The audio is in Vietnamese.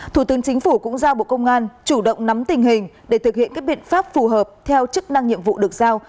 thủ tướng chính phủ cũng giao bộ công an chủ động nắm tình hình để thực hiện các biện pháp phù hợp theo chức năng nhiệm vụ được giao